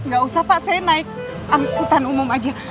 gak usah pak saya naik angkutan umum aja